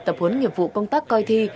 tập huấn nhiệm vụ công tác coi thi